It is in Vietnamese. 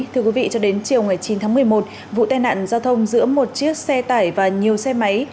thưa quý vị cho đến chiều ngày chín tháng một mươi một vụ tai nạn giao thông giữa một chiếc xe tải và nhiều xe máy